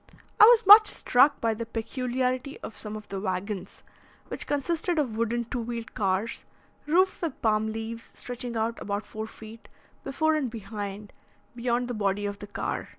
I was much struck by the peculiarity of some of the waggons, which consisted of wooden two wheeled cars, roofed with palm leaves stretching out about four feet, before and behind, beyond the body of the car.